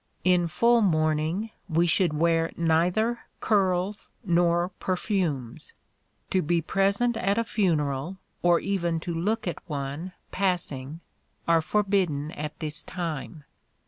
In full mourning, we should wear neither curls nor perfumes. To be present at a funeral, or even to look at one passing, are forbidden at this time.